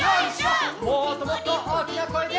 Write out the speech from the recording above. もっともっとおおきなこえで！